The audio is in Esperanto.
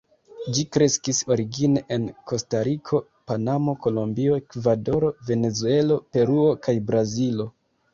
Ĝi kreskis origine en Kostariko, Panamo, Kolombio, Ekvadoro, Venezuelo, Peruo kaj Brazilo.